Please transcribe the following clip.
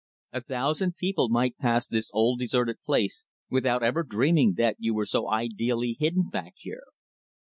"A thousand people might pass this old, deserted place without ever dreaming that you were so ideally hidden back here."